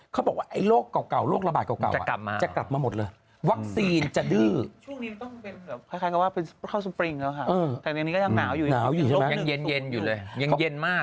เขาบอกไอเรากลัวโลกระบายเก่าจะกลับมาหมดเลย